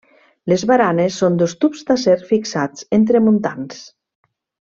Les baranes són dos tubs d'acer fixats entre muntants.